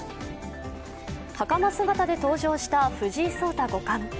はかま姿で登場した藤井聡太五冠。